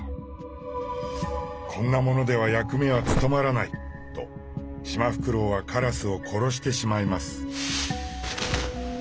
「こんな者では役目は務まらない」とシマフクロウはカラスを殺してしまいます。